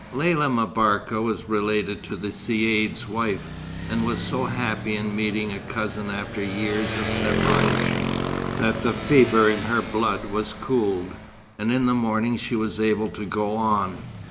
Lella M'Barka was related to the Caïd's wife, and was so happy in meeting a cousin after years of separation, that the fever in her blood was cooled; and in the morning she was able to go on.